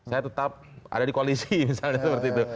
saya tetap ada di koalisi misalnya seperti itu